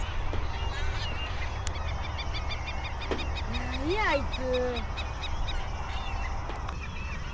何やあいつ。